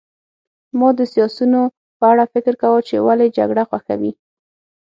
ما د سیاسیونو په اړه فکر کاوه چې ولې جګړه خوښوي